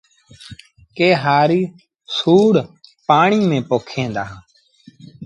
ڪي هآريٚ سُوڙ پآڻيٚ ميݩ پوکيݩ دآ